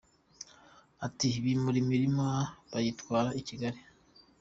Ati “Bimure imirima bayitware i Kigali ?